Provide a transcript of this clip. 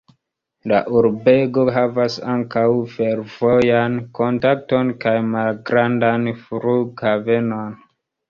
La urbego havas ankaŭ fervojan kontakton kaj malgrandan flughavenon.